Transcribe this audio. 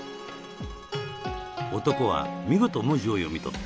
男は見事文字を読み取った